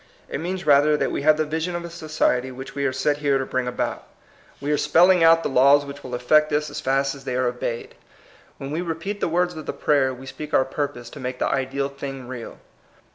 It means rather that we have the vision of a society which we are set here to bring about. We are spelling out 134 THE COMING FEOFLK the lawa which will effect this as fast as they are obeyed. When we repeat liie words of the prayer, we speak our purpose to make the ideal thing real.